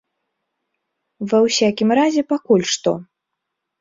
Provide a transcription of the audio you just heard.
Ва ўсякім разе пакуль што.